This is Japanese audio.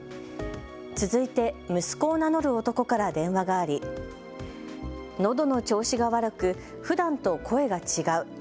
続いて息子を名乗る男から電話がありのどの調子が悪くふだんと声が違う。